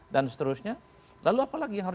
dan seterusnya lalu apalagi yang harus